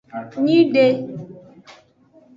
Nyide.